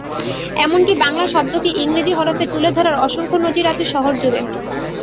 এমনকি বাংলা শব্দকে ইংরেজি হরফে তুলে ধরার অসংখ্য নজির আছে শহরজুড়ে।